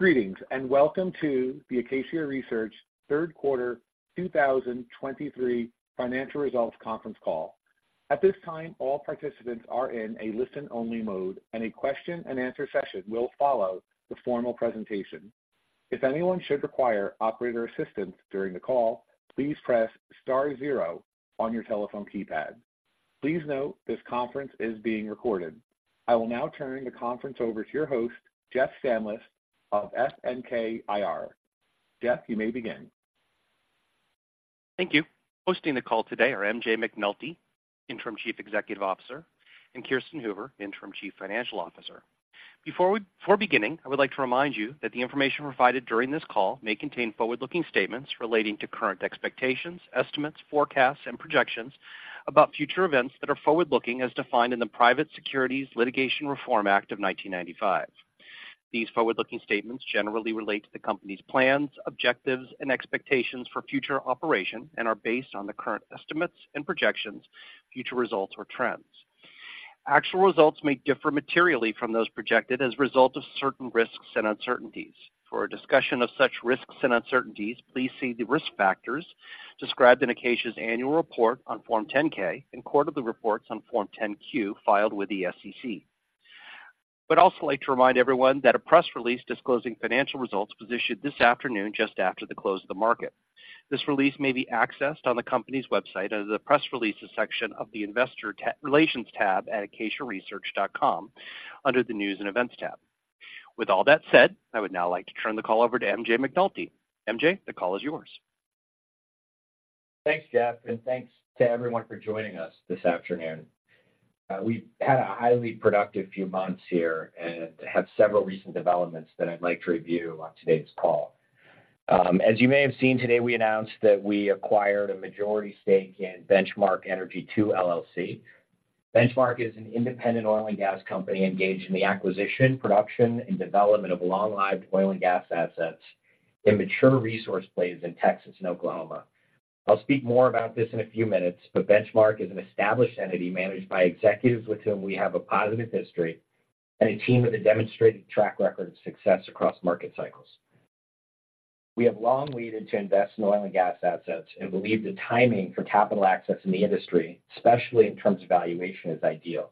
Greetings, and welcome to the Acacia Research third quarter 2023 financial results conference call. At this time, all participants are in a listen-only mode, and a question-and-answer session will follow the formal presentation. If anyone should require operator assistance during the call, please press star zero on your telephone keypad. Please note, this conference is being recorded. I will now turn the conference over to your host, Jeff Stanis of FNK IR. Jeff, you may begin. Thank you. Hosting the call today are MJ McNulty, Interim Chief Executive Officer, and Kirsten Hoover, Interim Chief Financial Officer. Before beginning, I would like to remind you that the information provided during this call may contain forward-looking statements relating to current expectations, estimates, forecasts, and projections about future events that are forward-looking, as defined in the Private Securities Litigation Reform Act of 1995. These forward-looking statements generally relate to the company's plans, objectives, and expectations for future operation and are based on the current estimates and projections of future results or trends. Actual results may differ materially from those projected as a result of certain risks and uncertainties. For a discussion of such risks and uncertainties, please see the risk factors described in Acacia's annual report on Form 10-K and quarterly reports on Form 10-Q filed with the SEC. I would also like to remind everyone that a press release disclosing financial results was issued this afternoon just after the close of the market. This release may be accessed on the company's website under the Press Releases section of the Investor Relations tab at acaciaresearch.com, under the News and Events tab. With all that said, I would now like to turn the call over to MJ McNulty. MJ, the call is yours. Thanks, Jeff, and thanks to everyone for joining us this afternoon. We've had a highly productive few months here and have several recent developments that I'd like to review on today's call. As you may have seen, today, we announced that we acquired a majority stake in Benchmark Energy II, LLC. Benchmark is an independent oil and gas company engaged in the acquisition, production, and development of long-lived oil and gas assets in mature resource plays in Texas and Oklahoma. I'll speak more about this in a few minutes, but Benchmark is an established entity managed by executives with whom we have a positive history and a team with a demonstrated track record of success across market cycles. We have long waited to invest in oil and gas assets and believe the timing for capital access in the industry, especially in terms of valuation, is ideal.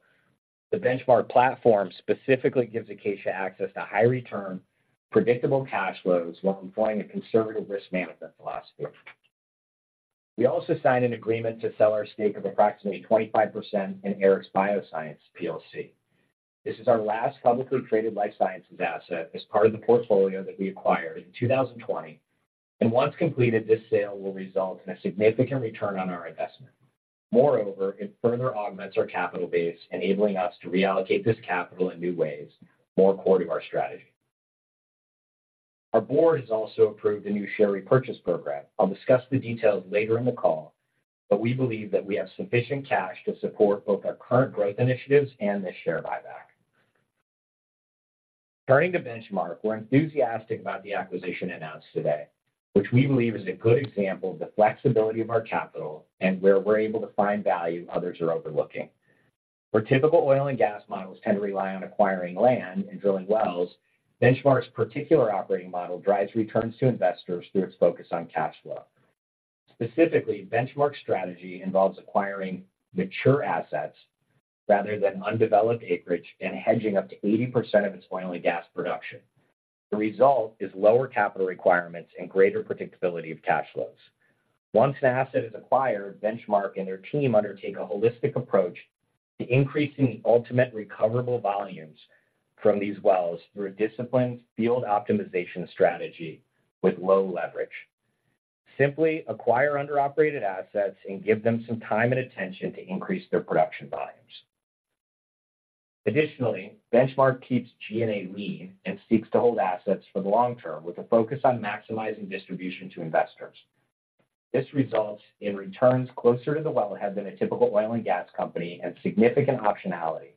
The Benchmark platform specifically gives Acacia access to high return, predictable cash flows while employing a conservative risk management philosophy. We also signed an agreement to sell our stake of approximately 25% in Arix Bioscience plc. This is our last publicly traded life sciences asset as part of the portfolio that we acquired in 2020, and once completed, this sale will result in a significant return on our investment. Moreover, it further augments our capital base, enabling us to reallocate this capital in new ways, more core to our strategy. Our board has also approved a new share repurchase program. I'll discuss the details later in the call, but we believe that we have sufficient cash to support both our current growth initiatives and this share buyback. Turning to Benchmark, we're enthusiastic about the acquisition announced today, which we believe is a good example of the flexibility of our capital and where we're able to find value others are overlooking. Where typical oil and gas models tend to rely on acquiring land and drilling wells, Benchmark's particular operating model drives returns to investors through its focus on cash flow. Specifically, Benchmark's strategy involves acquiring mature assets rather than undeveloped acreage and hedging up to 80% of its oil and gas production. The result is lower capital requirements and greater predictability of cash flows. Once an asset is acquired, Benchmark and their team undertake a holistic approach to increasing the ultimate recoverable volumes from these wells through a disciplined field optimization strategy with low leverage. Simply acquire under-operated assets and give them some time and attention to increase their production volumes. Additionally, Benchmark keeps G&A lean and seeks to hold assets for the long term, with a focus on maximizing distribution to investors. This results in returns closer to the wellhead than a typical oil and gas company, and significant optionality,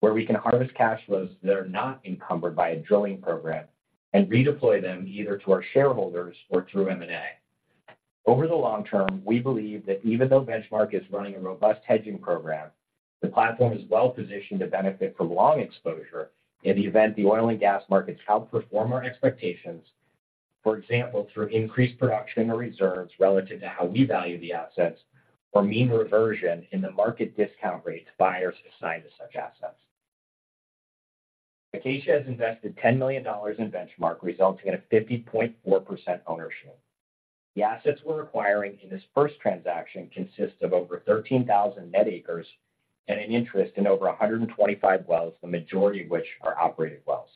where we can harvest cash flows that are not encumbered by a drilling program and redeploy them either to our shareholders or through M&A. Over the long term, we believe that even though Benchmark is running a robust hedging program, the platform is well positioned to benefit from long exposure in the event the oil and gas markets outperform our expectations. For example, through increased production or reserves relative to how we value the assets, or mean reversion in the market discount rates buyers assign to such assets. Acacia has invested $10 million in Benchmark, resulting in a 50.4% ownership. The assets we're acquiring in this first transaction consist of over 13,000 net acres and an interest in over 125 wells, the majority of which are operated wells.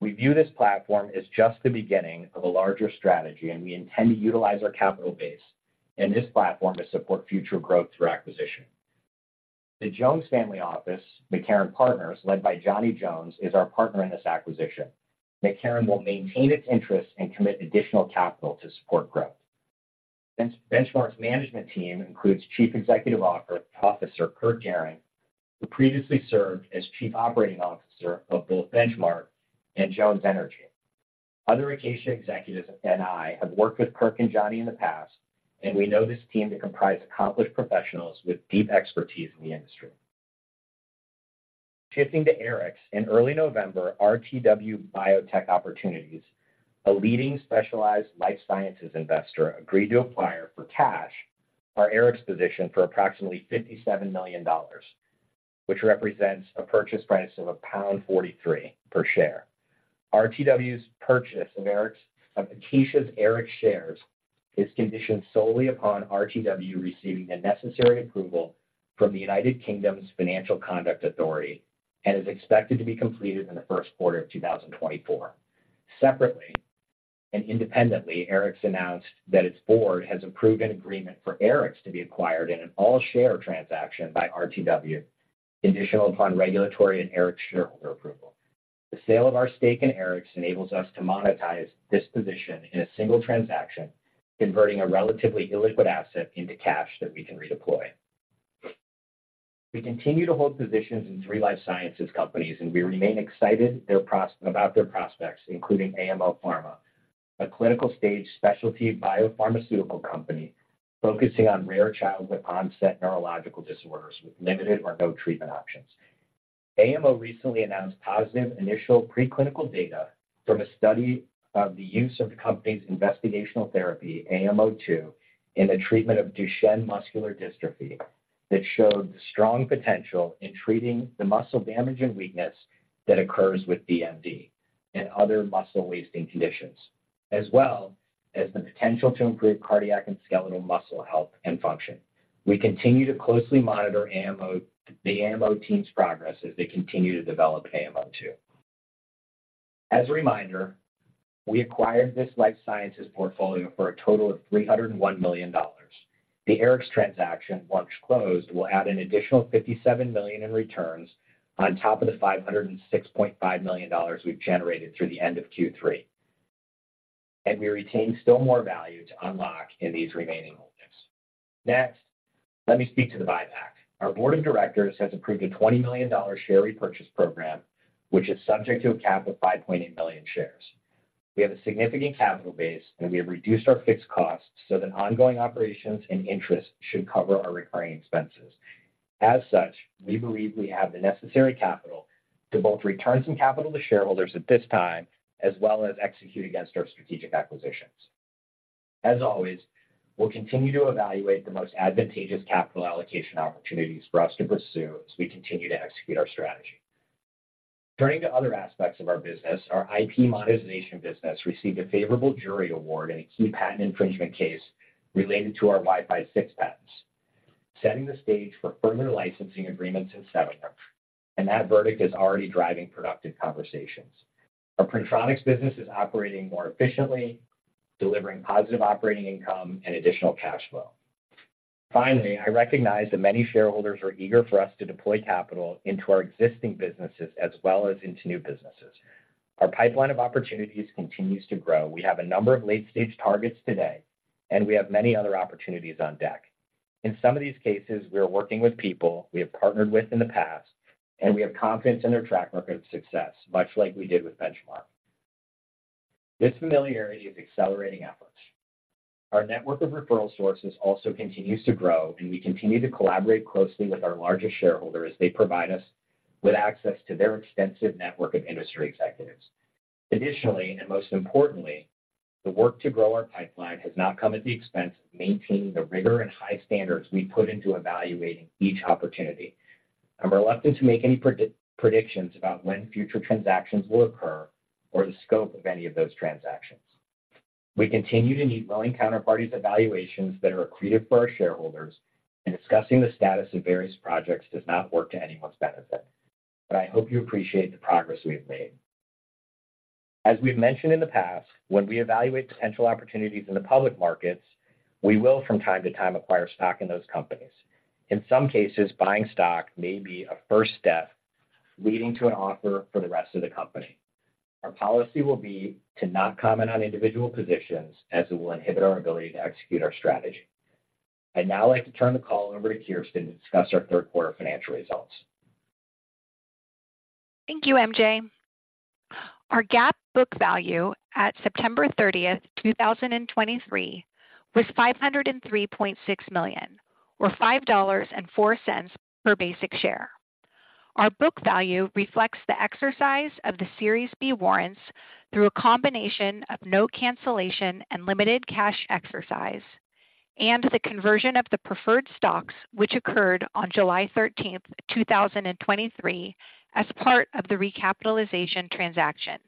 We view this platform as just the beginning of a larger strategy, and we intend to utilize our capital base and this platform to support future growth through acquisition. The Jones Family Office, McArron Partners, led by Jonny Jones, is our partner in this acquisition. McArron will maintain its interest and commit additional capital to support growth. Benchmark's management team includes Chief Executive Officer, Kirk Goehring, who previously served as chief operating officer of both Benchmark and Jones Energy. Other Acacia executives and I have worked with Kirk and Jonny in the past, and we know this team to comprise accomplished professionals with deep expertise in the industry.... Shifting to Arix. In early November, RTW Biotech Opportunities, a leading specialized life sciences investor, agreed to acquire for cash our Arix position for approximately $57 million, which represents a purchase price of 1.43 per share. RTW's purchase of Acacia's Arix shares is conditioned solely upon RTW receiving the necessary approval from the United Kingdom's Financial Conduct Authority and is expected to be completed in the first quarter of 2024. Separately and independently, Arix announced that its board has approved an agreement for Arix to be acquired in an all-share transaction by RTW, conditional upon regulatory and Arix shareholder approval. The sale of our stake in Arix enables us to monetize this position in a single transaction, converting a relatively illiquid asset into cash that we can redeploy. We continue to hold positions in three life sciences companies, and we remain excited about their prospects, including AMO Pharma, a clinical-stage specialty biopharmaceutical company focusing on rare childhood-onset neurological disorders with limited or no treatment options. AMO recently announced positive initial preclinical data from a study of the use of the company's investigational therapy, AMO-02, in the treatment of Duchenne muscular dystrophy, that showed strong potential in treating the muscle damage and weakness that occurs with DMD and other muscle wasting conditions, as well as the potential to improve cardiac and skeletal muscle health and function. We continue to closely monitor the AMO team's progress as they continue to develop AMO-02. As a reminder, we acquired this life sciences portfolio for a total of $301 million. The Arix transaction, once closed, will add an additional $57 million in returns on top of the $506.5 million we've generated through the end of Q3. We retain still more value to unlock in these remaining holdings. Next, let me speak to the buyback. Our board of directors has approved a $20 million share repurchase program, which is subject to a cap of 5.8 million shares. We have a significant capital base, and we have reduced our fixed costs so that ongoing operations and interest should cover our recurring expenses. As such, we believe we have the necessary capital to both return some capital to shareholders at this time, as well as execute against our strategic acquisitions. As always, we'll continue to evaluate the most advantageous capital allocation opportunities for us to pursue as we continue to execute our strategy. Turning to other aspects of our business, our IP monetization business received a favorable jury award in a key patent infringement case related to our Wi-Fi 6 patents, setting the stage for further licensing agreements in seven of them, and that verdict is already driving productive conversations. Our Printronix business is operating more efficiently, delivering positive operating income and additional cash flow. Finally, I recognize that many shareholders are eager for us to deploy capital into our existing businesses as well as into new businesses. Our pipeline of opportunities continues to grow. We have a number of late-stage targets today, and we have many other opportunities on deck. In some of these cases, we are working with people we have partnered with in the past, and we have confidence in their track record of success, much like we did with Benchmark. This familiarity is accelerating efforts. Our network of referral sources also continues to grow, and we continue to collaborate closely with our largest shareholders as they provide us with access to their extensive network of industry executives. Additionally, and most importantly, the work to grow our pipeline has not come at the expense of maintaining the rigor and high standards we put into evaluating each opportunity. I'm reluctant to make any predictions about when future transactions will occur or the scope of any of those transactions. We continue to need willing counterparties evaluations that are accretive for our shareholders, and discussing the status of various projects does not work to anyone's benefit, but I hope you appreciate the progress we have made. As we've mentioned in the past, when we evaluate potential opportunities in the public markets, we will from time to time acquire stock in those companies. In some cases, buying stock may be a first step leading to an offer for the rest of the company. Our policy will be to not comment on individual positions as it will inhibit our ability to execute our strategy. I'd now like to turn the call over to Kirsten to discuss our third quarter financial results. Thank you, MJ. Our GAAP book value at September 30th, 2023, was $503.6 million, or $5.04 per basic share. Our book value reflects the exercise of the Series B warrants through a combination of no cancellation and limited cash exercise, and the conversion of the preferred stocks, which occurred on July 13th, 2023, as part of the recapitalization transaction.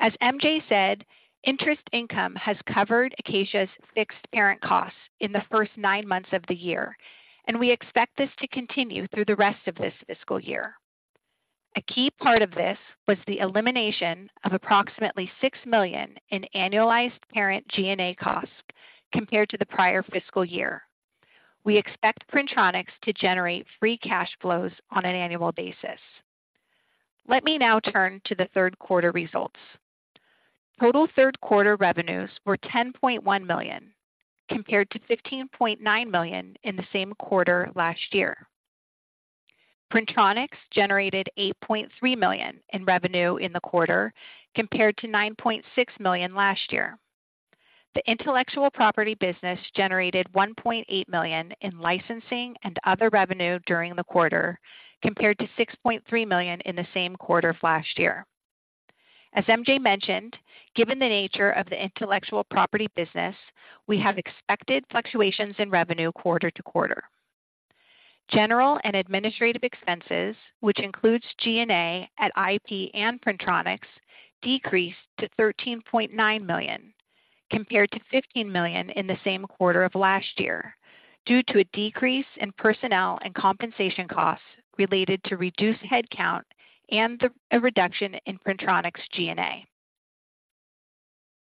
As MJ said, interest income has covered Acacia's fixed parent costs in the first nine months of the year, and we expect this to continue through the rest of this fiscal year. A key part of this was the elimination of approximately $6 million in annualized parent G&A costs compared to the prior fiscal year. We expect Printronix to generate free cash flows on an annual basis. Let me now turn to the third quarter results. Total third quarter revenues were $10.1 million, compared to $15.9 million in the same quarter last year. Printronix generated $8.3 million in revenue in the quarter, compared to $9.6 million last year. The intellectual property business generated $1.8 million in licensing and other revenue during the quarter, compared to $6.3 million in the same quarter last year. As MJ mentioned, given the nature of the intellectual property business, we have expected fluctuations in revenue quarter to quarter. General and administrative expenses, which includes G&A at IP and Printronix, decreased to $13.9 million, compared to $15 million in the same quarter of last year, due to a decrease in personnel and compensation costs related to reduced headcount and a reduction in Printronix G&A.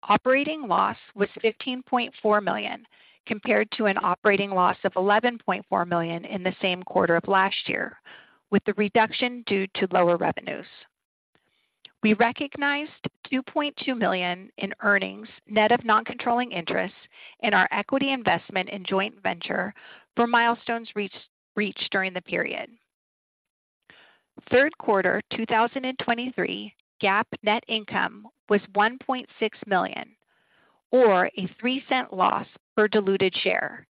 Operating loss was $15.4 million, compared to an operating loss of $11.4 million in the same quarter of last year, with the reduction due to lower revenues. We recognized $2.2 million in earnings, net of non-controlling interests in our equity investment in joint venture for milestones reached during the period. Third quarter 2023 GAAP net income was $1.6 million, or a $0.03 loss per diluted share,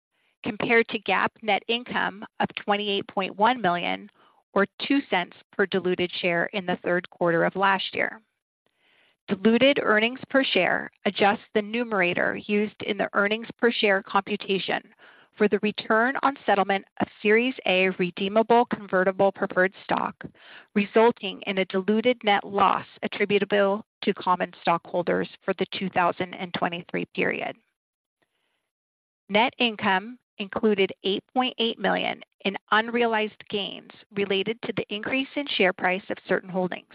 compared to GAAP net income of $28.1 million, or $0.02 per diluted share in the third quarter of last year. Diluted earnings per share adjusts the numerator used in the earnings per share computation for the return on settlement of Series A Redeemable Convertible Preferred Stock, resulting in a diluted net loss attributable to common stockholders for the 2023 period. Net income included $8.8 million in unrealized gains related to the increase in share price of certain holdings.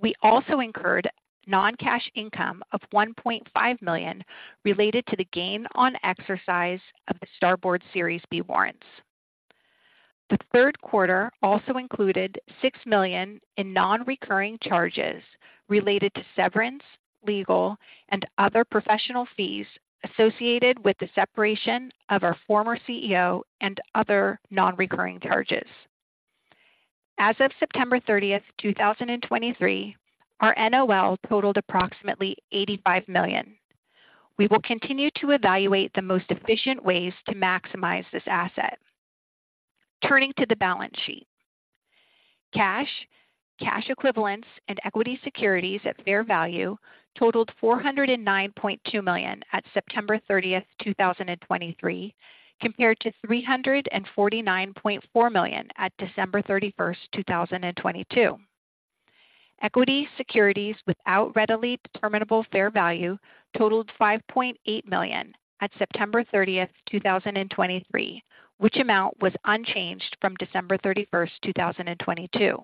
We also incurred non-cash income of $1.5 million related to the gain on exercise of the Starboard Series B warrants. The third quarter also included $6 million in non-recurring charges related to severance, legal, and other professional fees associated with the separation of our former CEO and other non-recurring charges. As of September 30th, 2023, our NOL totaled approximately $85 million. We will continue to evaluate the most efficient ways to maximize this asset. Turning to the balance sheet. Cash, cash equivalents, and equity securities at fair value totaled $409.2 million at September 30th, 2023, compared to $349.4 million at December 31st, 2022. Equity securities without readily determinable fair value totaled $5.8 million at September 30, 2023, which amount was unchanged from December 31st, 2022.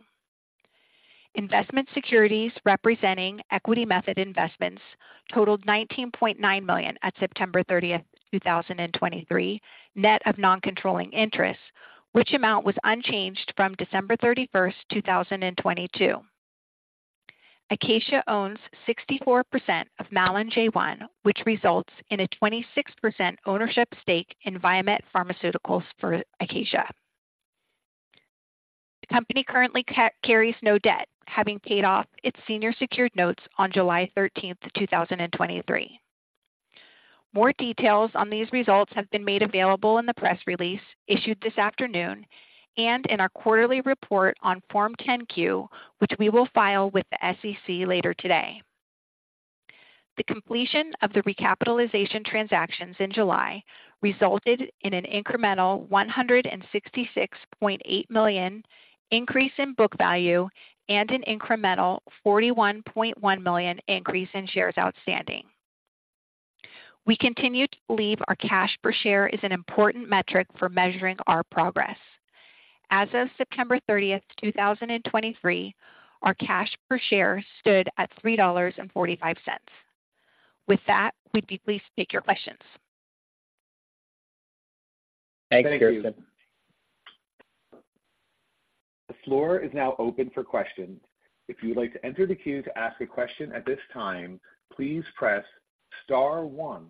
Investment securities representing equity method investments totaled $19.9 million at September 30th, 2023, net of non-controlling interests, which amount was unchanged from December 31st, 2022. Acacia owns 64% of Malin J1, which results in a 26% ownership stake in Viamet Pharmaceuticals for Acacia. The company currently carries no debt, having paid off its senior secured notes on July 13th, 2023. More details on these results have been made available in the press release issued this afternoon and in our quarterly report on Form 10-Q, which we will file with the SEC later today. The completion of the recapitalization transactions in July resulted in an incremental $166.8 million increase in book value and an incremental $41.1 million increase in shares outstanding. We continue to believe our cash per share is an important metric for measuring our progress. As of September 30th, 2023, our cash per share stood at $3.45. With that, we'd be pleased to take your questions. Thank you. The floor is now open for questions. If you would like to enter the queue to ask a question at this time, please press star one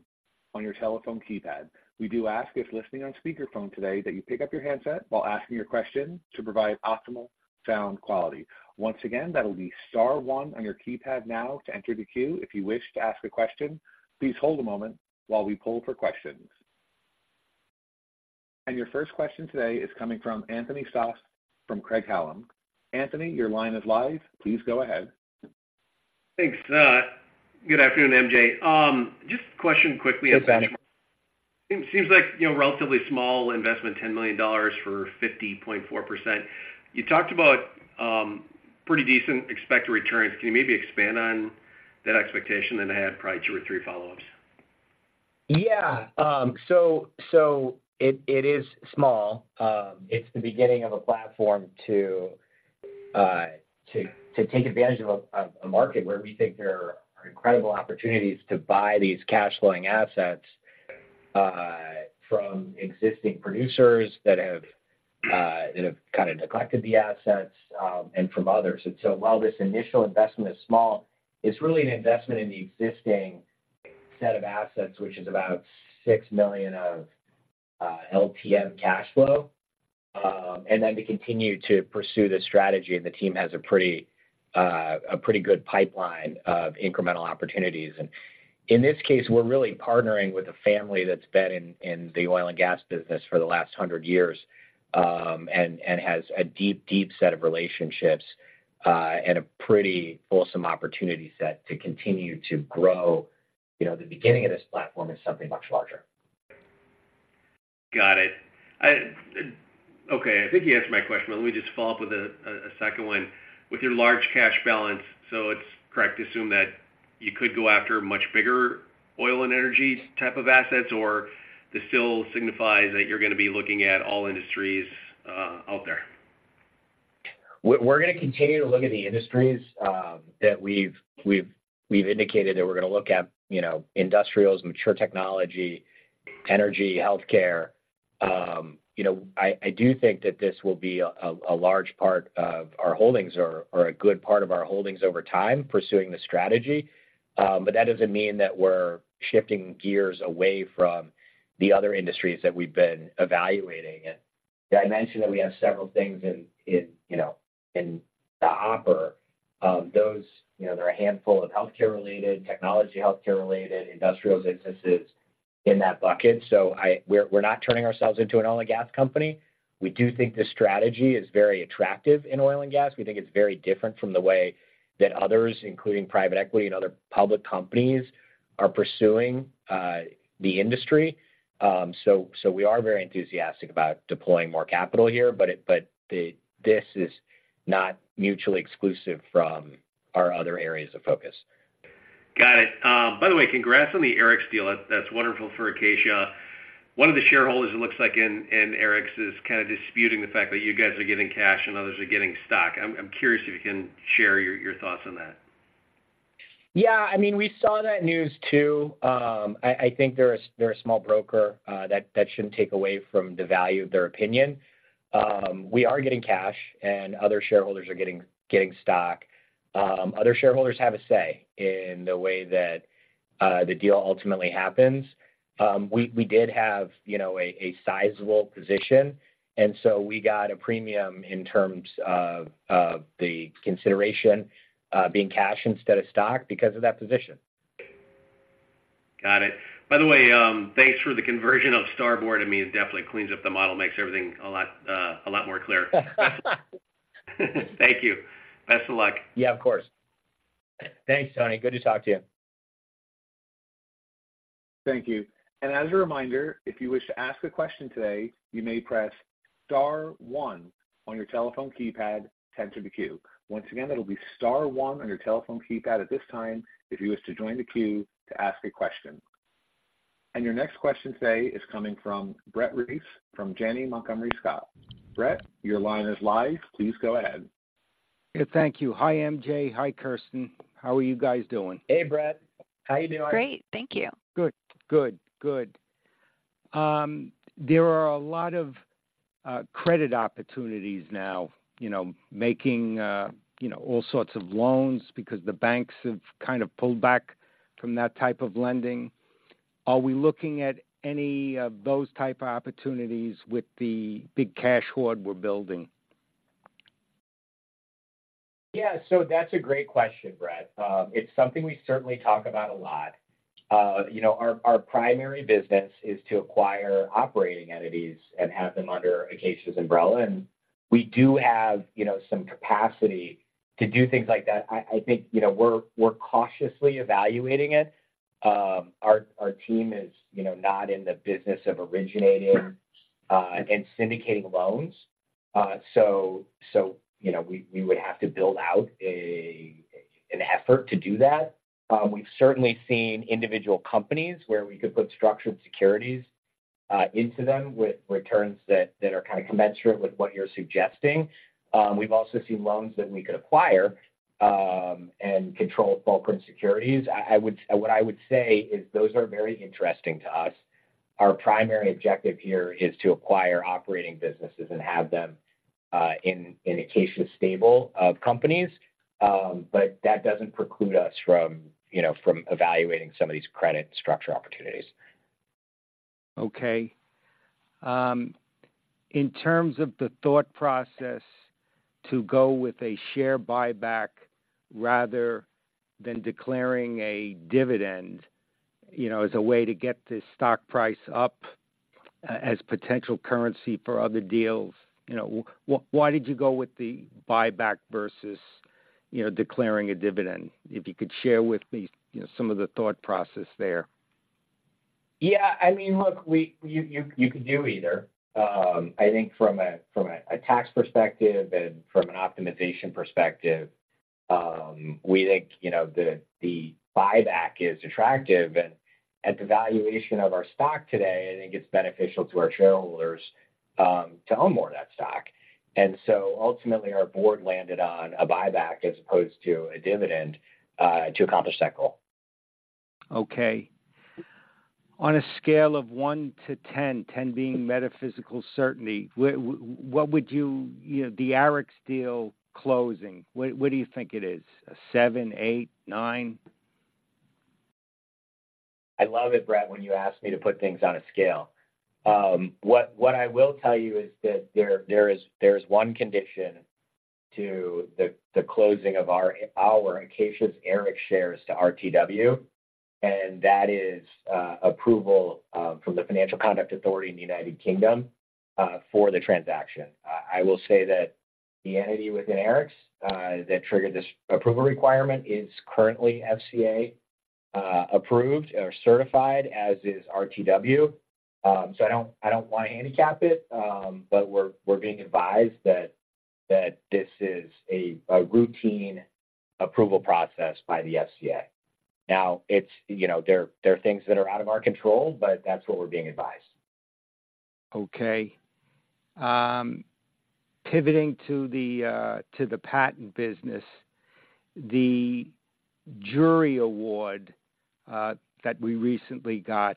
on your telephone keypad. We do ask if listening on speaker phone today, that you pick up your handset while asking your question to provide optimal sound quality. Once again, that'll be star one on your keypad now to enter the queue if you wish to ask a question. Please hold a moment while we pull for questions. Your first question today is coming from Anthony Stoss, from Craig-Hallum. Anthony, your line is live. Please go ahead. Thanks, good afternoon, MJ. Just question quickly- Hey, Anthony. It seems like, you know, relatively small investment, $10 million for 50.4%. You talked about, pretty decent expected returns. Can you maybe expand on that expectation? And I had probably two or three follow-ups. Yeah. So it is small. It's the beginning of a platform to take advantage of a market where we think there are incredible opportunities to buy these cash-flowing assets from existing producers that have kind of neglected the assets, and from others. And so while this initial investment is small, it's really an investment in the existing set of assets, which is about $6 million of LTM cash flow, and then to continue to pursue this strategy, and the team has a pretty good pipeline of incremental opportunities. In this case, we're really partnering with a family that's been in the oil and gas business for the last 100 years, and has a deep, deep set of relationships, and a pretty fulsome opportunity set to continue to grow, you know, the beginning of this platform is something much larger. Got it. Okay, I think you answered my question, but let me just follow up with a, a second one. With your large cash balance, so it's correct to assume that you could go after much bigger oil and energy type of assets, or this still signifies that you're going to be looking at all industries, out there? We're going to continue to look at the industries that we've indicated that we're going to look at, you know, industrials, mature technology, energy, healthcare. You know, I do think that this will be a large part of our holdings or a good part of our holdings over time, pursuing the strategy. But that doesn't mean that we're shifting gears away from the other industries that we've been evaluating in. I mentioned that we have several things in, you know, in the offer. Those, you know, there are a handful of healthcare-related, technology healthcare-related, industrial businesses in that bucket. So we're not turning ourselves into an oil and gas company. We do think this strategy is very attractive in oil and gas. We think it's very different from the way that others, including private equity and other public companies, are pursuing the industry. So we are very enthusiastic about deploying more capital here, but it, this is not mutually exclusive from our other areas of focus. Got it. By the way, congrats on the Arix deal. That, that's wonderful for Acacia. One of the shareholders, it looks like in, in Arix, is kind of disputing the fact that you guys are getting cash and others are getting stock. I'm, I'm curious if you can share your, your thoughts on that. Yeah, I mean, we saw that news, too. I think they're a small broker that shouldn't take away from the value of their opinion. We are getting cash, and other shareholders are getting stock. Other shareholders have a say in the way that the deal ultimately happens. We did have, you know, a sizable position, and so we got a premium in terms of the consideration being cash instead of stock because of that position. Got it. By the way, thanks for the conversion of Starboard. I mean, it definitely cleans up the model, makes everything a lot, a lot more clear. Thank you. Best of luck. Yeah, of course. Thanks, Anthony. Good to talk to you. Thank you. And as a reminder, if you wish to ask a question today, you may press star one on your telephone keypad to enter the queue. Once again, it'll be star one on your telephone keypad at this time, if you wish to join the queue to ask a question. And your next question today is coming from Brett Reiss from Janney Montgomery Scott. Brett, your line is live. Please go ahead. Thank you. Hi, MJ. Hi, Kirsten. How are you guys doing? Hey, Brett. How you doing? Great, thank you. Good, good, good. There are a lot of credit opportunities now, you know, making you know, all sorts of loans because the banks have kind of pulled back from that type of lending. Are we looking at any of those type of opportunities with the big cash hoard we're building? Yeah, so that's a great question, Brett. It's something we certainly talk about a lot. You know, our primary business is to acquire operating entities and have them under Acacia's umbrella, and we do have, you know, some capacity to do things like that. I think, you know, we're cautiously evaluating it. Our team is, you know, not in the business of originating and syndicating loans. So, you know, we would have to build out an effort to do that. We've certainly seen individual companies where we could put structured securities into them with returns that are kind of commensurate with what you're suggesting. We've also seen loans that we could acquire and control blueprint securities. I would. What I would say is those are very interesting to us. Our primary objective here is to acquire operating businesses and have them in Acacia's stable of companies. But that doesn't preclude us from, you know, from evaluating some of these credit structure opportunities. Okay. In terms of the thought process to go with a share buyback rather than declaring a dividend, you know, as a way to get the stock price up as potential currency for other deals, you know, why did you go with the buyback versus, you know, declaring a dividend? If you could share with me, you know, some of the thought process there. Yeah, I mean, look, you could do either. I think from a tax perspective and from an optimization perspective, we think, you know, the buyback is attractive and at the valuation of our stock today, I think it's beneficial to our shareholders, to own more of that stock. And so ultimately, our board landed on a buyback as opposed to a dividend, to accomplish that goal. Okay. On a scale of one to 10, 10 being metaphysical certainty, what would you... You know, the Arix deal closing, what, what do you think it is? A seven, eight, nine?... I love it, Brett, when you ask me to put things on a scale. What I will tell you is that there is one condition to the closing of our Acacia's Arix shares to RTW, and that is approval from the Financial Conduct Authority in the United Kingdom for the transaction. I will say that the entity within Arix that triggered this approval requirement is currently FCA approved or certified, as is RTW. So I don't want to handicap it, but we're being advised that this is a routine approval process by the FCA. Now, it's, you know, there are things that are out of our control, but that's what we're being advised. Okay. Pivoting to the patent business, the jury award that we recently got,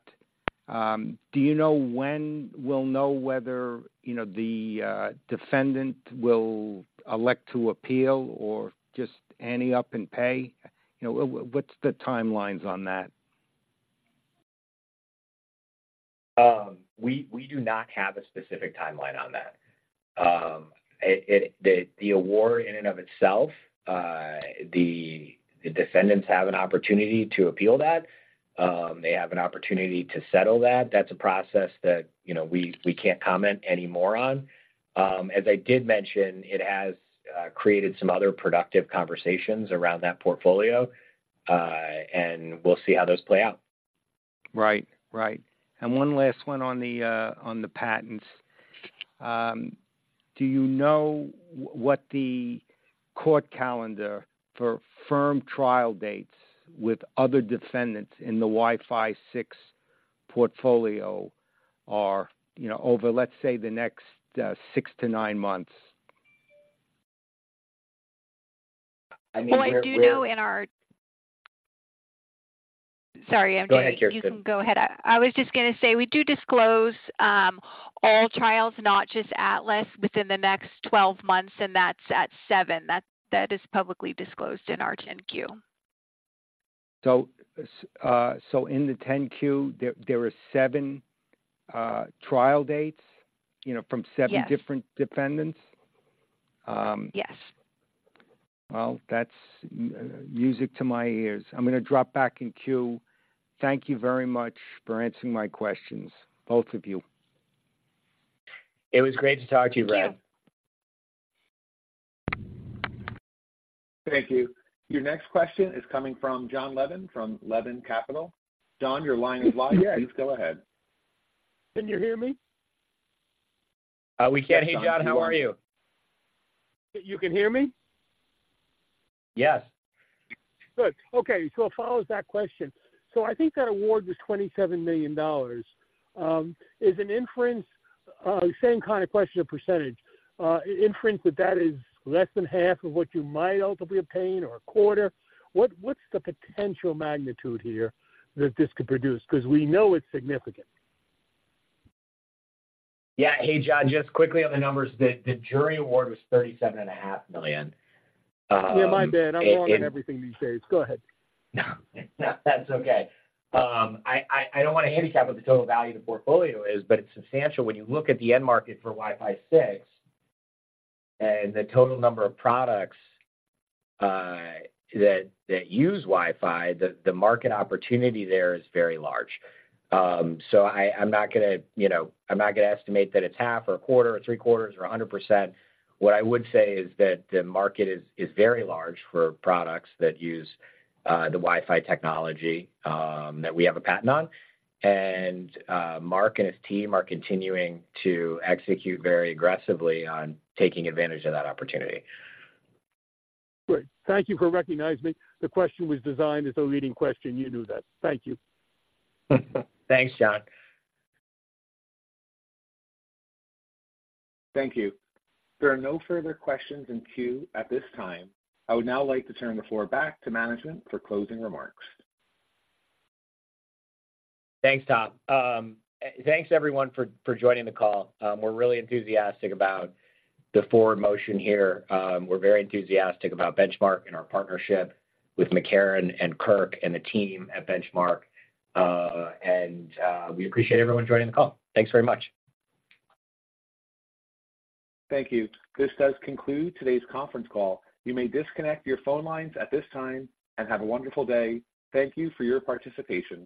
do you know when we'll know whether, you know, the defendant will elect to appeal or just ante up and pay? You know, what's the timelines on that? We do not have a specific timeline on that. The award in and of itself, the defendants have an opportunity to appeal that. They have an opportunity to settle that. That's a process that, you know, we can't comment any more on. As I did mention, it has created some other productive conversations around that portfolio, and we'll see how those play out. Right. Right. And one last one on the, on the patents. Do you know what the court calendar for firm trial dates with other defendants in the Wi-Fi 6 portfolio are, you know, over, let's say, the next six to nine months? I mean, we're- Well, I do know in our... Sorry, MJ. Go ahead. You can go ahead. I was just gonna say, we do disclose all trials, not just Atlas, within the next 12 months, and that's at seven. That is publicly disclosed in our 10-Q. So, in the 10-Q, there are seven trial dates, you know, from seven- Yes... different defendants? Yes. Well, that's music to my ears. I'm gonna drop back in queue. Thank you very much for answering my questions, both of you. It was great to talk to you, Brad. Thank you. Thank you. Your next question is coming from John Levin, from Levin Capital. John, your line is live. Please go ahead. Can you hear me? We can't hear you, John. How are you? You can hear me? Yes. Good. Okay, so it follows that question. So I think that award was $27 million. Is an inference, same kind of question of percentage, inference that that is less than half of what you might ultimately obtain or a quarter? What's the potential magnitude here that this could produce? Because we know it's significant. Yeah. Hey, John, just quickly on the numbers, the jury award was $37.5 million, Yeah, my bad. I'm wrong in everything these days. Go ahead. No, that's okay. I don't want to handicap what the total value of the portfolio is, but it's substantial. When you look at the end market for Wi-Fi 6 and the total number of products that use Wi-Fi, the market opportunity there is very large. So I'm not gonna, you know, I'm not gonna estimate that it's half or a quarter, or three quarters, or 100%. What I would say is that the market is very large for products that use the Wi-Fi technology that we have a patent on. And Mark and his team are continuing to execute very aggressively on taking advantage of that opportunity. Great. Thank you for recognizing me. The question was designed as a leading question. You knew that. Thank you. Thanks, John. Thank you. There are no further questions in queue at this time. I would now like to turn the floor back to management for closing remarks. Thanks, Tom. Thanks, everyone, for joining the call. We're really enthusiastic about the forward motion here. We're very enthusiastic about Benchmark and our partnership with McArron and Kirk and the team at Benchmark. And we appreciate everyone joining the call. Thanks very much. Thank you. This does conclude today's conference call. You may disconnect your phone lines at this time and have a wonderful day. Thank you for your participation.